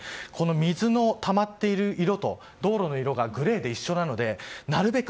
水のたまっている色と道路の色がグレーで一緒なのでなるべく